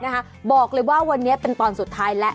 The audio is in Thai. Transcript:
บอกเลยว่าวันนี้เป็นตอนสุดท้ายแล้ว